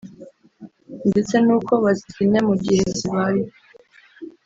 ndetse n’uko bazizimya mu gihe zibaye